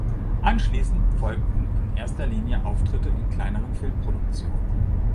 Anschließend folgten in erster Linie Auftritte in kleineren Filmproduktionen.